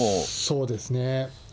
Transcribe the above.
そうですね。